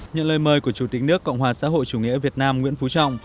nhận lời mời của chủ tịch nước cộng hòa xã hội chủ nghĩa việt nam nguyễn phú trọng